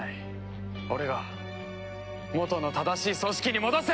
俺が元の正しい組織に戻す！